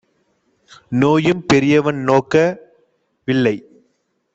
நோயும் பெரியவன் நோக்க வில்லை!